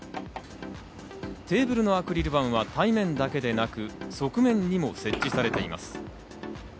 テーブルのアクリル板は対面だけでなく、側面にも設置されています。